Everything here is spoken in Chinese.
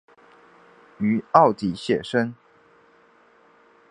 於澳底写生